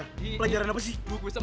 gue bisa matematika duh susah